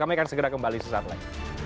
kami akan segera kembali sesaat lagi